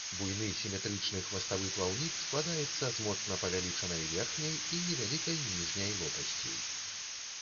Буйны сіметрычны хваставы плаўнік складаецца з моцна павялічанай верхняй і невялікай ніжняй лопасцей.